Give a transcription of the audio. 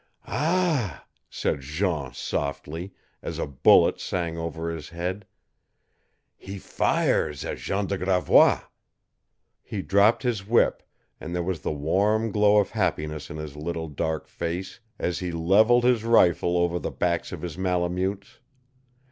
"Ah!" said Jean softly, as a bullet sang over his head. "He fires at Jean de Gravois!" He dropped his whip, and there was the warm glow of happiness in his little dark face as he leveled his rifle over the backs of his Malemutes.